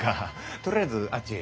とりあえずあっちへ。